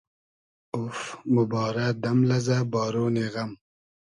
اوف! موبارۂ دئم لئزۂ بارۉنی غئم